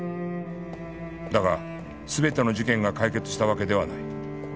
だが全ての事件が解決したわけではない